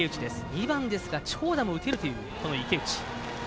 ２番ですが長打も打てるという池内。